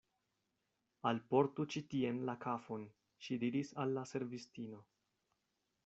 Alportu ĉi tien la kafon, ŝi diris al la servistino.